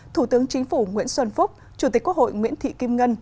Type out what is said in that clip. thủ tướng chính phủ nguyễn xuân phúc chủ tịch quốc hội nguyễn thị kim ngân